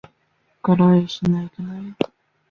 没有接到人员伤亡报告。